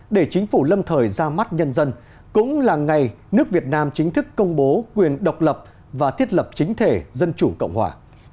để chính phủ lâm thời ra mắt nhân dân cũng là ngày nước việt nam chính thức công bố quyền độc lập và thiết lập chính thể dân chủ cộng hòa